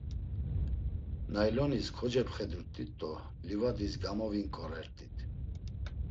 Naylonis kocepxedurt̆it do livadis gamovinǩorert̆it.